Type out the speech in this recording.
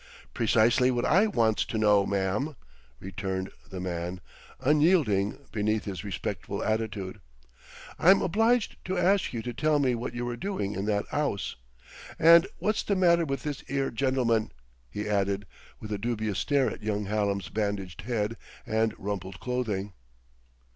"Precisely what I wants to know, ma'am," returned the man, unyielding beneath his respectful attitude. "I'm obliged to ask you to tell me what you were doing in that 'ouse.... And what's the matter with this 'ere gentleman?" he added, with a dubious stare at young Hallam's bandaged head and rumpled clothing.